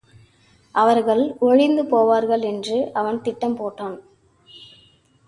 அவர்கள் ஒழிந்து போவார்கள் என்று அவன் திட்டம் போட்டான்.